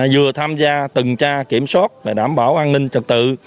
vừa tham gia tần tra kiểm soát và đảm bảo an ninh trật tự